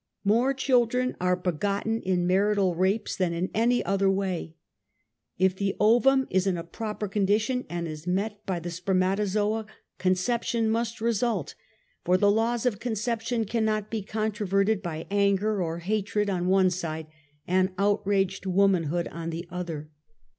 More children are begotten in marital rapes than 90 UNMASKED. ill any other way. If the ovum is in a proper con dition and is met by the spermatozoa conception must result, for the laws of conception cannot be contro verted by anger or hatred on one side and outraged womanhood on the other.